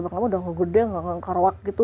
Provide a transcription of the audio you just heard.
makanya udah nggak gede nggak ngengkarowak gitu